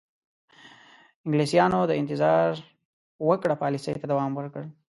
انګلیسیانو د انتظار وکړه پالیسۍ ته دوام ورکړ.